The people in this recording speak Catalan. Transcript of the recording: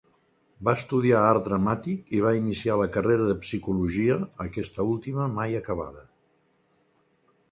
Va estudiar Art Dramàtic i va iniciar la carrera de Psicologia, aquesta última mai acabada.